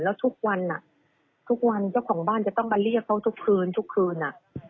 แล้วทุกวันทุกวันเจ้าของบ้านจะต้องมาเรียกเขาทุกคืนทุกคืน